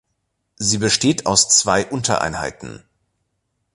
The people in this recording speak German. Sie besteht aus zwei Untereinheiten.